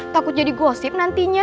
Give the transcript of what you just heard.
takut jadi gosip nantinya